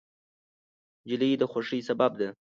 نجلۍ د خوښۍ سبب ده.